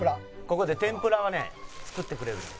「ここで天ぷらはね作ってくれるの」